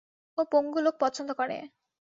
ও পঙ্গু লোক পছন্দ করে।